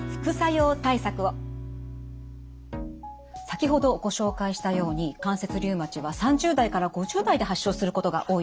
先ほどご紹介したように関節リウマチは３０代から５０代で発症することが多いとお伝えしましたよね。